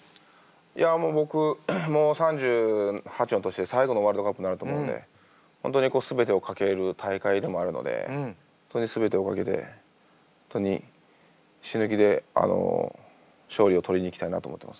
いやもう僕もう３８の年で最後のワールドカップになると思うんで本当に全てを懸ける大会でもあるので全てを懸けて本当に死ぬ気で勝利を取りにいきたいなと思ってます。